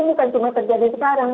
bukan cuma terjadi sekarang